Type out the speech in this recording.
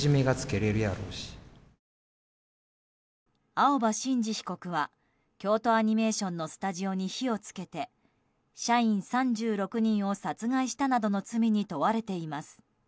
青葉真司被告は京都アニメーションのスタジオに火を付けて社員３６人を殺害したなどの罪に問われています。